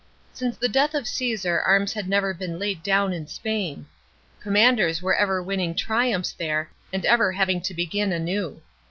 Since the death of Cffisar arms had never been laid down in Spain ; commanders were ever winning triumphs there and ever having to begin anew.